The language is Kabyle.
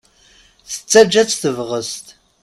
Tettaǧǧa-tt tebɣest.